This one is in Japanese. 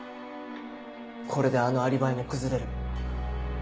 これであのアリバイも崩れる。